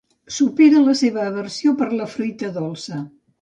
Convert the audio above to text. Supera la seva aversió per la fruita dolça.